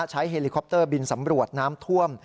เฮลิคอปเตอร์บินสำรวจน้ำท่วม